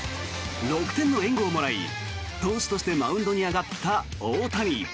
６点の援護をもらい、投手としてマウンドに上がった大谷。